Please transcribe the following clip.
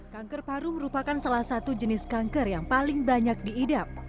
kanker paru merupakan salah satu jenis kanker yang paling banyak diidap